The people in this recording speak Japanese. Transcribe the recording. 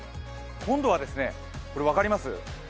今度は分かります？